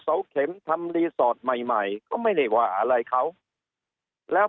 เสาเข็มทำรีสอร์ทใหม่ใหม่ก็ไม่ได้ว่าอะไรเขาแล้ว